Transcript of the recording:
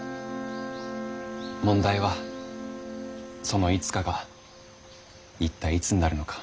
問題はその「いつか」が一体いつになるのか。